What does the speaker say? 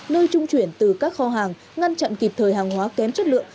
nơi trung chuyển từ các kho hàng ngăn chặn kịp thời hàng hóa kém chất lượng